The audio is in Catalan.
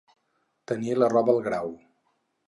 Tenir la roba al Grau.